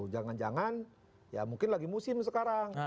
jangan jangan ya mungkin lagi musim sekarang